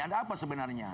ada apa sebenarnya